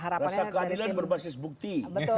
rasa keadilan berbasis bukti